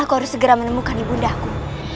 aku harus segera menemukan ibu undahku